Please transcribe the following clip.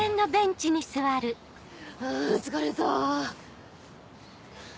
あ疲れた。